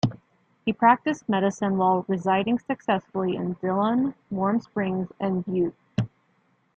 He practiced medicine while residing successively in Dillon, Warm Springs, and Butte.